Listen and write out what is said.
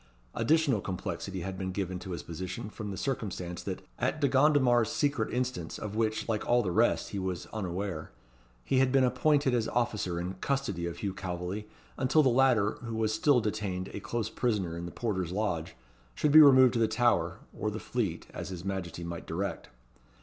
Additional complexity had been given to his position from the circumstance that, at De Gondomar's secret instance, of which, like all the rest, he was unaware, he had been appointed as officer in custody of Hugh Calveley, until the latter, who was still detained a close prisoner in the porter's lodge, should be removed to the Tower, or the Fleet, as his Majesty might direct.